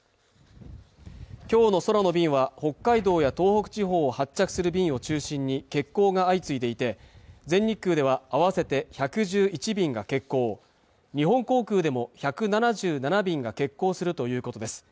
今日の空の便は北海道や東北地方を発着する便を中心に欠航が相次いでいて全日空では合わせて１１１便が欠航日本航空でも１７７便が欠航するということです